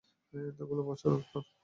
এতগুলো বছর পর!